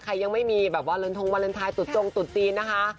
ใครยังไม่มีแบบวันลนทรงวันลนทรายตุดจงตุดตีนนะคะ